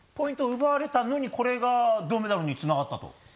奪われたのにこれが銅メダルにつながったと？